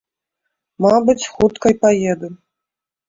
Мабыць, хутка й паеду.